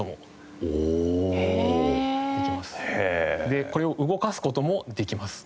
でこれを動かす事もできます。